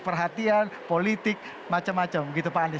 perhatian politik macam macam gitu pak anies